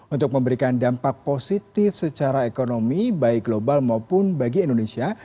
untuk memberikan dampak positif secara ekonomi baik global maupun bagi indonesia